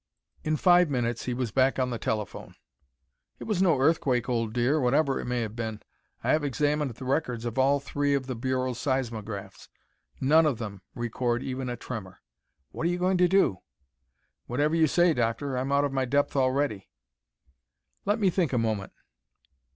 In five minutes he was back on the telephone. "It was no earthquake, old dear, whatever it may have been. I have examined the records of all three of the Bureau's seismographs. None of them record even a tremor. What are you going to do?" "Whatever you say, Doctor. I'm out of my depth already." "Let me think a moment.